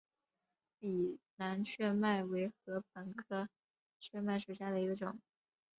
卑南雀麦为禾本科雀麦属下的一个种。